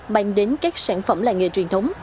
bàn đến các sản phẩm làng nghề truyền thống